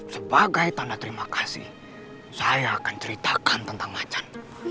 sebagai tanda terima kasih saya akan ceritakan tentang macan